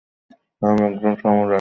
হ্যা, আমি একজন সামুরাই!